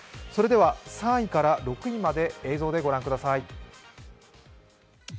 ３位から６位まで映像でご覧ください。